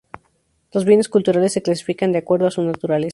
Los bienes culturales se clasifican de acuerdo a su naturaleza.